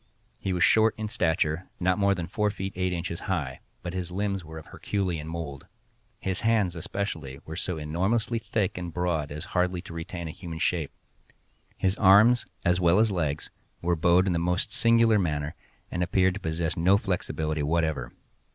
He was short in stature, not more than four feet eight inches high, but his limbs were of Herculean mould. His hands, especially, were so enormously thick and broad as hardly to retain a human shape. His arms, as well as legs, were bowed in the most singular manner, and appeared to possess no flexibility whatever.